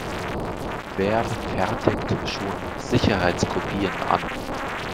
Wer fertigt schon Sicherheitskopien an?